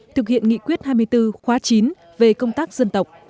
thực hiện nghị quyết hai mươi bốn khóa chín về công tác dân tộc